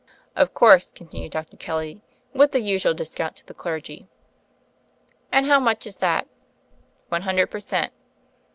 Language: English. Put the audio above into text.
"Of course," continued Dr. Kelly, "with the usual discount to the clergy." "And how much is that?" "One hundred per cent."